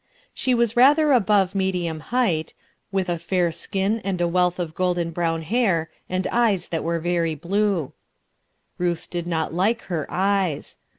She was rather above medium height, with a fair skin and a wealth of golden brown hair and eyes that were very blue. Ruth did not like her eyes.